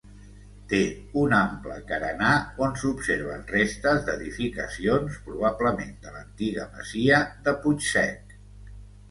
Té un ample carenar on s'observen restes d'edificacions, probablement de l'antiga masia de Puig Sec.